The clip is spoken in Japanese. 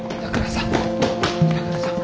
板倉さん！